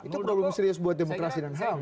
itu belum serius buat demokrasi dan selam